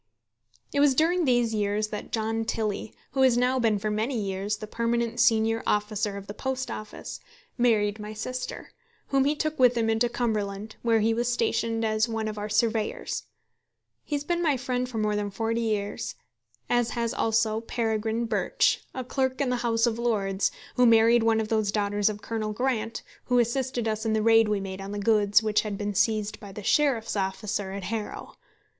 It was during these years that John Tilley, who has now been for many years the permanent senior officer of the Post Office, married my sister, whom he took with him into Cumberland, where he was stationed as one of our surveyors. He has been my friend for more than forty years; as has also Peregrine Birch, a clerk in the House of Lords, who married one of those daughters of Colonel Grant who assisted us in the raid we made on the goods which had been seized by the Sheriff's officer at Harrow.